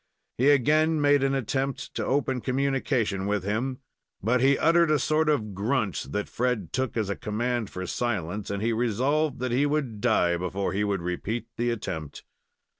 He again made an attempt to open communication with him, but he uttered a sort of grunt that Fred took as a command for silence, and he resolved that he would die before he would repeat the attempt.